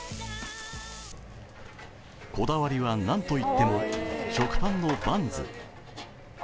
こだわりは、何といっても食パンのバンズ。